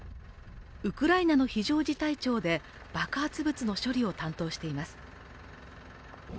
ウクライナの非常事態庁で爆発物の処理を担当しています。